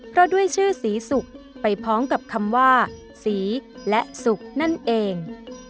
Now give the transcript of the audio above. เพราะด้วยชื่อสีสุกไปพร้อมกับคำว่าสีและสุกนั่นเอง